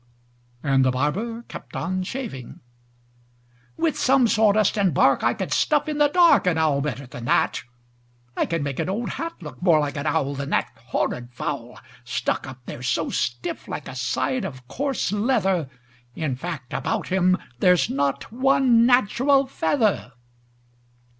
And the barber kept on shaving. "With some sawdust and bark I could stuff in the dark An owl better than that. I could make an old hat Look more like an owl Than that horrid fowl, Stuck up there so stiff like a side of coarse leather. In fact, about him there's not one natural feather."